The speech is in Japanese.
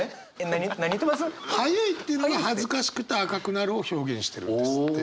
映いっていうのが恥ずかしくて赤くなるを表現してるんですって。